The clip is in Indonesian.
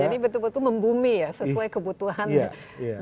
jadi betul betul membumi ya sesuai kebutuhan